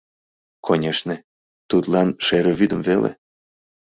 Конешне, тудлан — шере вӱдым веле.